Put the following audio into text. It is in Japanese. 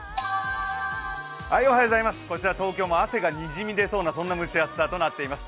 こちら、東京も汗がにじみ出そうな、そんな蒸し暑さとなっています。